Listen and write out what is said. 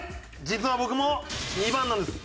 実は僕も２番なんです。